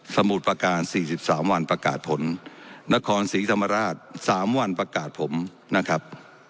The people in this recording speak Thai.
สมุทรประการ๔๓วันประกาศผลนครศรีธรรมราช๓วันประกาศผมนะครับ